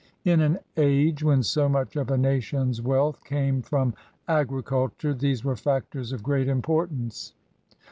In an age when so much of a nation's wealth came from agriculture these were factors of great importance.